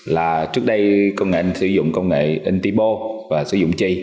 là trước đây công nghệ in sử dụng công nghệ in ti bô và sử dụng chi